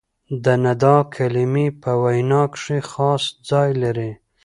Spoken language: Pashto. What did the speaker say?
د ندا کلیمې په وینا کښي خاص ځای لري.